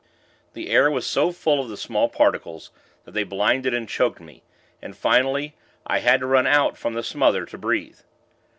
The air was so full of the small particles, that they blinded and choked me; and, finally, I had to run out from the smother, to breathe.